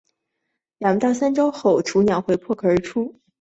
两到三周后雏鸟就会破壳而出。